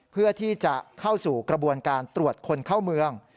เพื่อที่จะเข้าสู่กระบวนการตรวจคนเข้าเมือง